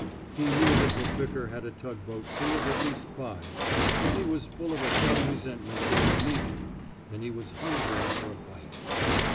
He knew that McVickar had a tugboat c^ew of at least five, but he was full of a dumb resentment against Meaghan, and he was hungering for a fight.